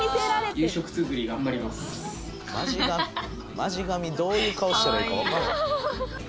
マジ神どういう顔したらいいかわからない。